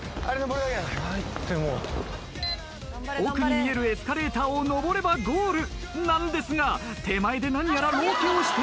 奥に見えるエスカレーターを上ればゴールなんですが手前で何やらロケをしている人物が。